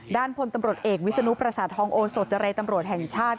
พลตำรวจเอกวิศนุประสาททองโอโสจรรย์ตำรวจแห่งชาติ